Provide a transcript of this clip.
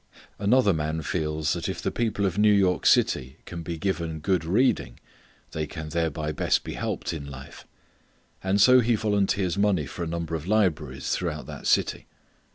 Another man feels that if the people of New York City can be given good reading they can thereby best be helped in life. And so he volunteers money for a number of libraries throughout that city.